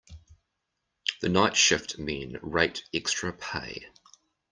The night shift men rate extra pay.